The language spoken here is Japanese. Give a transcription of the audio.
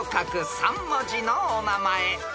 ３文字のお名前］